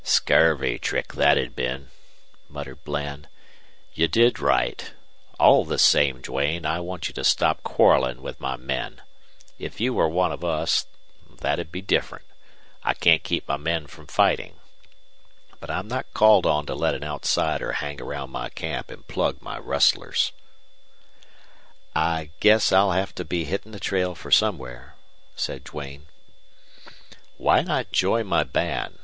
"Scurvy trick that 'd been," muttered Bland. "You did right. All the same, Duane, I want you to stop quarreling with my men. If you were one of us that'd be different. I can't keep my men from fighting. But I'm not called on to let an outsider hang around my camp and plug my rustlers." "I guess I'll have to be hitting the trail for somewhere," said Duane. "Why not join my band?